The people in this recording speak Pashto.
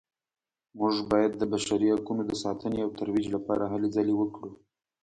موږ باید د بشري حقونو د ساتنې او ترویج لپاره هلې ځلې وکړو